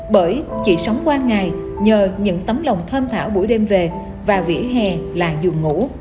bởi chị sống qua ngày nhờ những tấm lòng thơm thảo buổi đêm về và vỉa hè là giường ngủ